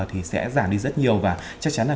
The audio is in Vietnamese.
thì sẽ giảm đi rất nhiều và chắc chắn là